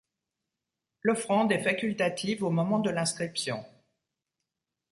L'offrande est facultative au moment de l'inscription.